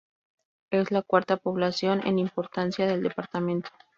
Es la cuarta población en importancia del departamento.